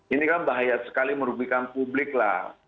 ini kan bahaya sekali menurut pilihan publik lah